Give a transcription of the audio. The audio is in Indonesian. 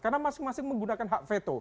karena masing masing menggunakan hak veto